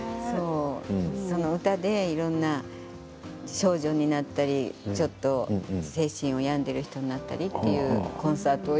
その歌でいろんな少女になったりちょっと精神を病んでいる人になったりという、コンサートを。